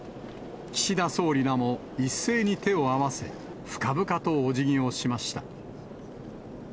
岸田総理らも一斉に手を合わせ、深々とお辞儀をしました。